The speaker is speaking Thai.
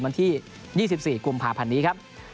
วันที่๒๔กุมภาพันธ์นี้ครับ